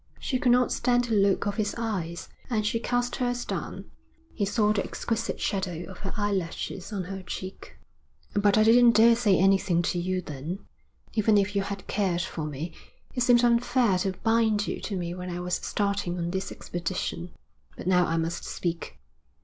She could not stand the look of his eyes, and she cast hers down. He saw the exquisite shadow of her eyelashes on her cheek. 'But I didn't dare say anything to you then. Even if you had cared for me, it seemed unfair to bind you to me when I was starting on this expedition. But now I must speak.